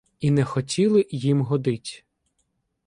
І не хотіли їм годить.